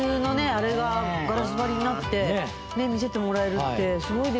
あれがガラス張りになって見せてもらえるってすごいですよね。